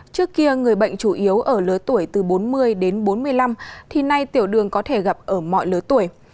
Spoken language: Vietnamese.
trước kia người bệnh chủ yếu ở lứa tuổi từ bốn mươi đến bốn mươi năm thì nay tiểu đường có thể gặp ở mọi lứa tuổi